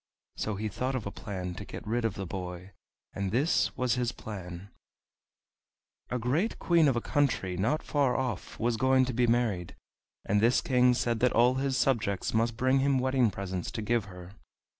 So he thought of a plan to get rid of the boy, and this was his plan: A great Queen of a country not far off was going to be married, and this king said that all his subjects must bring him wedding presents to give her.